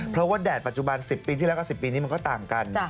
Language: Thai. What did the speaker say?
เพราะว่าแดดปัจจุบัน๑๐ปีที่แล้วก็๑๐ปีนี้มันก็ต่างกัน